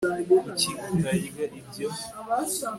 kuki utarya ibyo